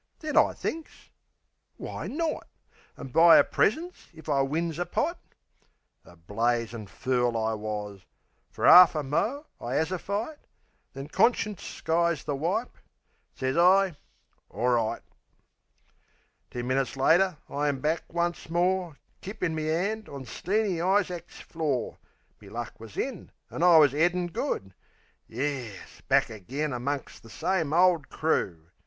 Then I thinks, "Why not? An' buy 'er presents if I wins a pot? A blazin' fool I wus. Fer 'arf a mo' I 'as a fight; Then conscience skies the wipe...Sez I "Orright." Ten minutes later I was back once more, Kip in me 'and, on Steeny Isaac's floor, Me luck was in an' I wus 'eadin' good. Yes, back agen amongst the same old crew!